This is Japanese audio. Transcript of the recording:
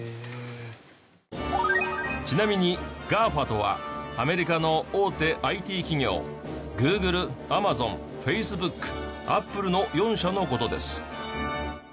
ちなみにＧＡＦＡとはアメリカの大手ＩＴ企業ＧｏｏｇｌｅＡｍａｚｏｎＦａｃｅｂｏｏｋＡｐｐｌｅの４社の事です。